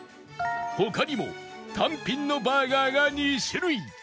他にも単品のバーガーが２種類